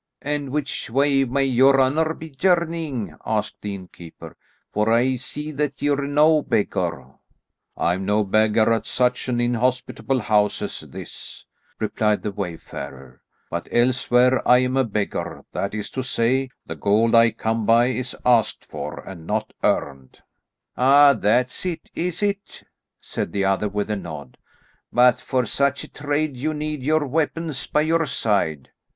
"And which way may your honour be journeying?" asked the innkeeper, "for I see that you are no beggar." "I am no beggar at such an inhospitable house as this," replied the wayfarer, "but elsewhere I am a beggar, that is to say, the gold I come by is asked for, and not earned." "Ah, that's it, is it?" said the other with a nod, "but for such a trade you need your weapons by your side."